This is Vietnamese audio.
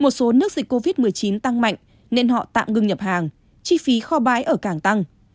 một số nước dịch covid một mươi chín tăng mạnh nên họ tạm ngưng nhập hàng chi phí kho bái ở càng tăng